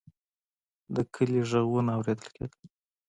د کلي غږونه اورېدل کېدل.